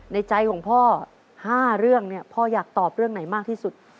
ในใจของพ่อ๕เรื่องเนี่ยพ่ออยากตอบเรื่องไหนมากที่สุด